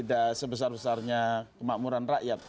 tidak sebesar besarnya kemakmuran rakyat